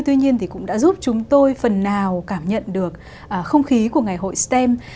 tuy nhiên thì cũng đã giúp chúng tôi phần nào cảm nhận được không khí của ngày hội stem